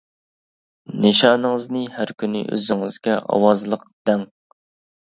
نىشانىڭىزنى ھەر كۈنى ئۆزىڭىزگە ئاۋازلىق دەڭ.